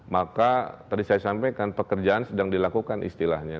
maka tadi saya sampaikan pekerjaan sedang dilakukan istilahnya